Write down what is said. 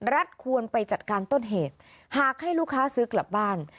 ควรไปจัดการต้นเหตุหากให้ลูกค้าซื้อกลับบ้าน